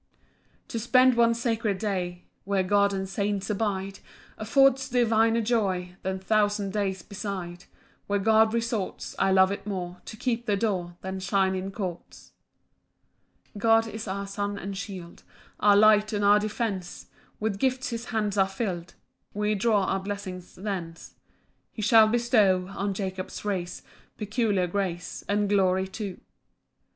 PAUSE. 5 To spend one sacred day Where God and saints abide, Affords diviner joy Than thousand days beside; Where God resorts, I love it more To keep the door Than shine in courts. 6 God is our sun and shield, Our light and our defence With gifts his hands are fill'd, We draw our blessings thence; He shall bestow On Jacob's race Peculiar grace And glory too.